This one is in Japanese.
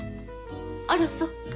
あらそう。